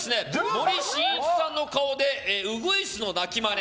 森進一さんの顔でウグイスの鳴きまね。